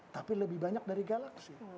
tapi lebih banyak dari galaksi